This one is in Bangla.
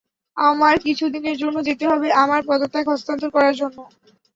আমার কিছু দিনের জন্য যেতে হবে আমার পদত্যাগ হস্তান্তর করার জন্য।